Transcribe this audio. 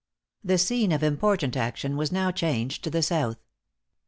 The scene of important action was now changed to the South.